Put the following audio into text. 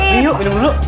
nih yuk minum dulu